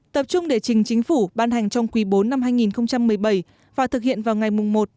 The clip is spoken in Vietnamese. tập trung để trình chính phủ ban hành trong quý bốn năm hai nghìn một mươi bảy và thực hiện vào ngày một một hai nghìn một mươi tám